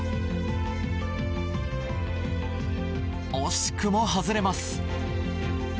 惜しくも外れます。